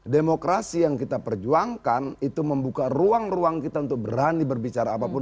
demokrasi yang kita perjuangkan itu membuka ruang ruang kita untuk berani berbicara apapun